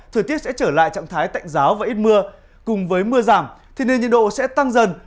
thời tiết sẽ trở lại trạng thái tạnh giáo và ít mưa cùng với mưa giảm thì nền nhiệt độ sẽ tăng dần